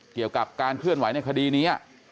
เกี่ยวกับการเคลื่อนไหวในคดีนี้